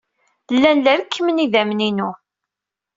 Llan la rekkmen yidammen-inu.